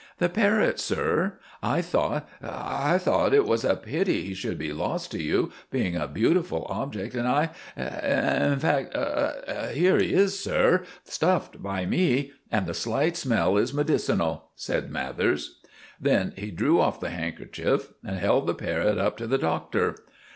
"The parrot, sir. I thought—I thought it was a pity he should be lost to you, being a beautiful object, and I—in fact—here he is, sir—stuffed by me; and the slight smell is medicinal," said Mathers. Then he drew off the handkerchief and held the parrot up to the Doctor.